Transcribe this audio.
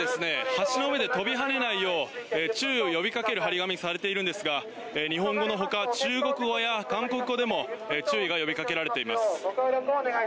橋の上で飛び跳ねないよう注意を呼びかける貼り紙がされているのですが日本語の他、中国語や韓国語でも注意が呼びかけられています。